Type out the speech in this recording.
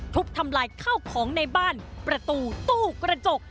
ทุบทำลายข้าวของในบ้านประตูตู้กระจก